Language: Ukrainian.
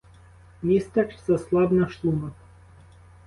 Містер заслаб на шлунок.